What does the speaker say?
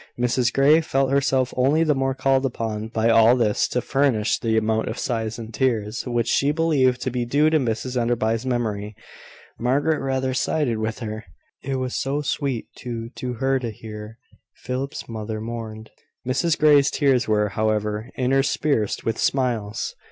Mrs Grey felt herself only the more called upon by all this to furnish the amount of sighs and tears which she believed to be due to Mrs Enderby's memory. Margaret rather sided with her it was so sweet to her to hear Philip's mother mourned. Mrs Grey's tears were, however, interspersed with smiles.